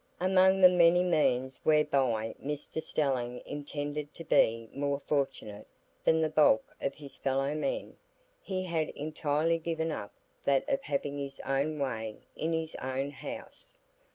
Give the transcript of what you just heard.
Among the many means whereby Mr Stelling intended to be more fortunate than the bulk of his fellow men, he had entirely given up that of having his own way in his own house.